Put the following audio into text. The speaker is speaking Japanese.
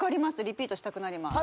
リピートしたくなります